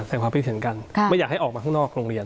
ในความปริเคชัดกันไม่อยากให้ออกมาข้างนอกโรงเรียน